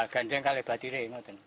gandeng kali batire